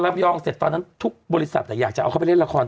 ยองเสร็จตอนนั้นทุกบริษัทอยากจะเอาเขาไปเล่นละคร